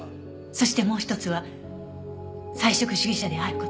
そしてもう一つは菜食主義者である事。